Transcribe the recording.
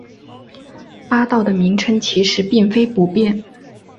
八道的名称其实并非不变。